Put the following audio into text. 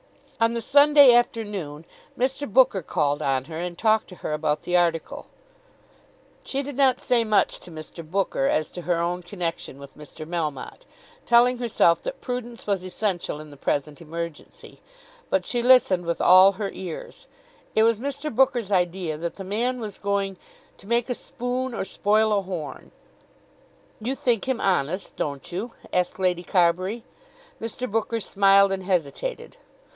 On the Sunday afternoon Mr. Booker called on her and talked to her about the article. She did not say much to Mr. Booker as to her own connection with Mr. Melmotte, telling herself that prudence was essential in the present emergency. But she listened with all her ears. It was Mr. Booker's idea that the man was going "to make a spoon or spoil a horn." "You think him honest; don't you?" asked Lady Carbury. Mr. Booker smiled and hesitated.